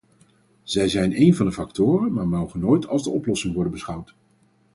Zij zijn een van de factoren, maar mogen nooit als de oplossing worden beschouwd.